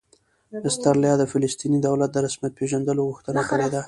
استرالیا د فلسطیني دولت د رسمیت پېژندلو غوښتنه کړې ده